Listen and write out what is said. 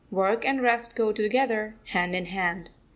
Work and rest go together, hand in hand.